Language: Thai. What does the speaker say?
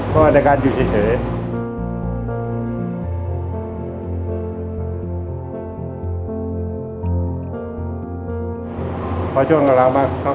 สวัสดีครับผมชื่อสามารถชานุบาลชื่อเล่นว่าขิงถ่ายหนังสุ่นแห่ง